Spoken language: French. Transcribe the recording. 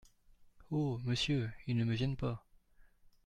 Oh ! monsieur, il ne me gêne pas !